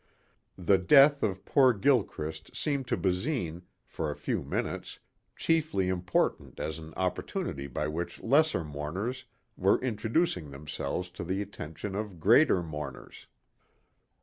The death of poor Gilchrist seemed to Basine, for a few minutes, chiefly important as an opportunity by which lesser mourners were introducing themselves to the attention of greater mourners.